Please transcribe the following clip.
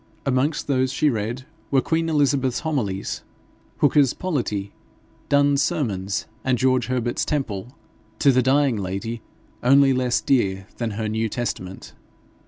Amongst those she read were Queen Elizabeth's Homilies, Hooker's Politie, Donne's Sermons, and George Herbert's Temple, to the dying lady only less dear than her New Testament.